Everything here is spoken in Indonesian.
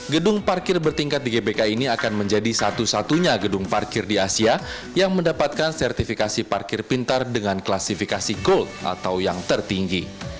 gedung parkir bertingkat di gbk ini akan menjadi satu satunya gedung parkir di asia yang mendapatkan sertifikasi parkir pintar dengan klasifikasi gold atau yang tertinggi